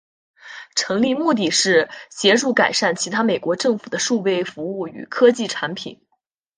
成立目的是协助改善其他美国政府的数位服务与科技产品。